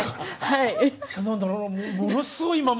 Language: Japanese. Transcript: はい。